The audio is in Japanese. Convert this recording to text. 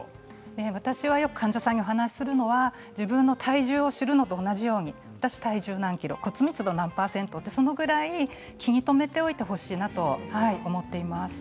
私はよく患者さんにお話しするのは自分の体重を知るのと同じように私は体重何ｋｇ、骨密度何％とそのぐらい気に留めておいてほしいなと思っています。